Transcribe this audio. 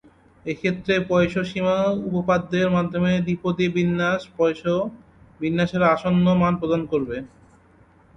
এক্ষেত্রে পয়সোঁ সীমা উপপাদ্যের মাধ্যমে দ্বিপদী বিন্যাস পয়সোঁ বিন্যাসের আসন্ন মান প্রদান করবে।